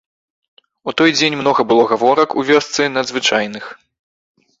У той дзень многа было гаворак у вёсцы надзвычайных.